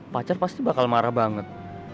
pacar pasti bakal marah banget